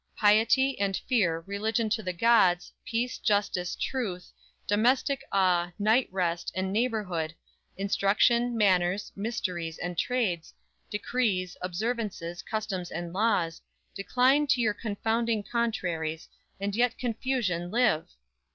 piety, and fear Religion to the Gods, peace, justice, truth, Domestic awe, night rest, and neighborhood, Instruction, manners, mysteries, and trades, Decrees, observances, customs and laws, Decline to your confounding contraries, And yet confusion live!